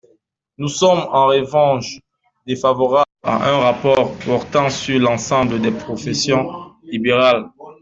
Nous sommes en revanche défavorables à un rapport portant sur l’ensemble des professions libérales.